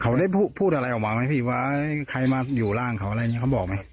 เขาได้พูดอะไรออกมาไหมพี่ว่าใครมาอยู่ร่างเขาอะไรอย่างนี้เขาบอกไหม